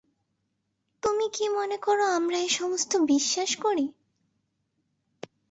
তুমি কি মনে কর আমরা এ-সমস্ত বিশ্বাস করি।